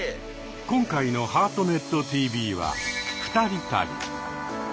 今回の「ハートネットＴＶ」は二人旅。